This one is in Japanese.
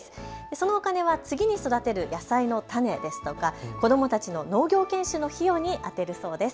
そのお金は次に育てる野菜の種ですとか子どもたちの農業研修費用に充てるそうです。